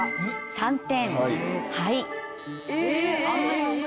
３点。